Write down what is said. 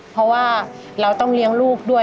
เพราะว่าเราต้องเลี้ยงลูกด้วย